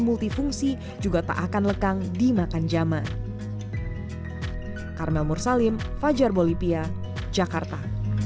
multifungsi juga tak akan lekang dimakan jaman karmel mursalim fajar bolivia jakarta